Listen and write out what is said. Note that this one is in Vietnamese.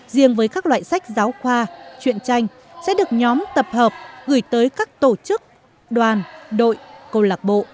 riêng với các loại sách giáo khoa chuyện tranh sẽ được nhóm tập hợp gửi tới các tổ chức đoàn đội cô lạc bộ